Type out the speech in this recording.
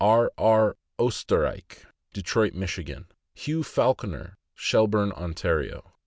R. R. Oesterrich, Detroit, Mich.; Hugh Falconer, Shelburne, Ontario.